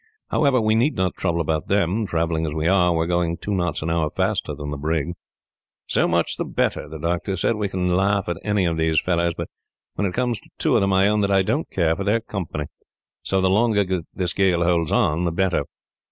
However, we need not trouble about them. Travelling as we are, we are going two knots an hour faster than the brig." "So much the better," the doctor said, shortly. "We can laugh at one of these fellows, but when it comes to two of them, I own that I don't care for their company. So the longer this gale holds on, the better."